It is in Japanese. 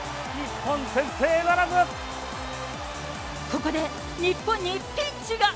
ここで日本にピンチが。